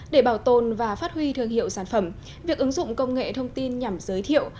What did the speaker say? để bảo tồn và phát huy thương hiệu sản phẩm việc ứng dụng công nghệ thông tin nhằm giới thiệu